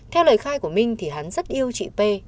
theo lời khai của minh thì hắn rất yêu chị p